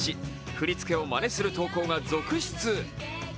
振り付けをまねする投稿が続出。